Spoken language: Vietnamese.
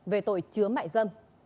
về tội chứa mại dâm